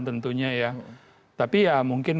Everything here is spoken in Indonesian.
tentunya ya tapi ya mungkin